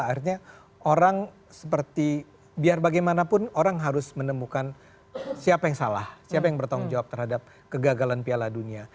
akhirnya orang seperti biar bagaimanapun orang harus menemukan siapa yang salah siapa yang bertanggung jawab terhadap kegagalan piala dunia